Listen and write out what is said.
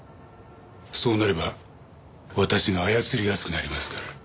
そうなれば私が操りやすくなりますから。